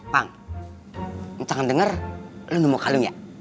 pang ncang denger lo nemu kalung ya